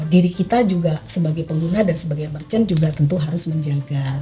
diri kita juga sebagai pengguna dan sebagai merchant juga tentu harus menjaga